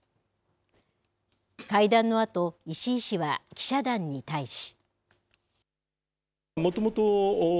会談のあと、いしいしは記者団に対し。